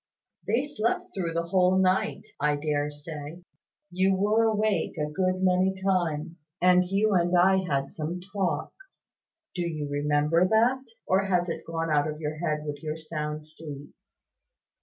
"They slept through the whole night, I dare say. You were awake a good many times; and you and I had some talk. Do you remember that? Or has it gone out of your head with your sound sleep?"